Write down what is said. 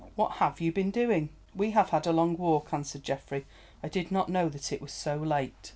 What have you been doing?" "We have had a long walk," answered Geoffrey; "I did not know that it was so late."